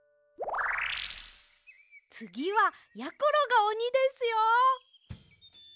つぎはやころがおにですよ！